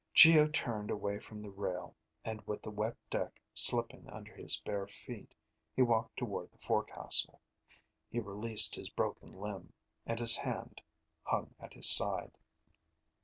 Geo turned away from the rail, and with the wet deck slipping under his bare feet, he walked toward the forecastle. He released his broken limb, and his hand hung at his side.